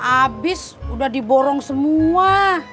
abis udah diborong semua